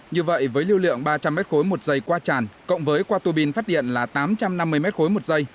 như vậy với lưu lượng ba trăm linh m khối một dây qua tràn cộng với qua tù bin phát điện là tám trăm năm mươi m khối một dây